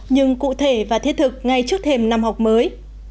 nhưng cụ thể và thiết thực ngay trước thềm năm học mới